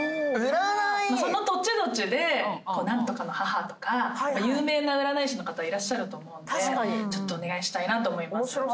その土地土地で何とかの母とか有名な占い師の方いらっしゃると思うんでちょっとお願いしたいなと思います。